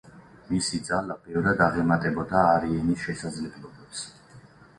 მისი ძალა ბევრად აღემატებოდა არიენის შესაძლებლობებს.